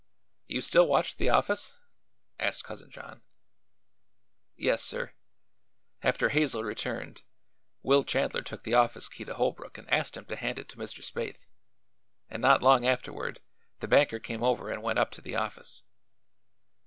"You still watched the office?" asked Cousin John. "Yes, sir. After Hazel returned, Will Chandler took the office key to Holbrook and asked him to hand it to Mr. Spaythe, and not long afterward the banker came over and went up to the office.